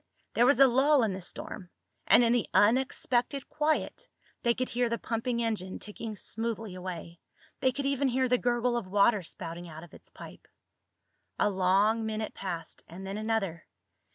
There was a lull in the storm, and in the unexpected quiet they could hear the pumping engine ticking smoothly away. They could even hear the gurgle of water spouting out of its pipe. A long minute passed, and then another.